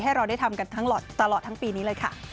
ให้เราได้ทำกันตลอดทั้งปีนี้เลยค่ะ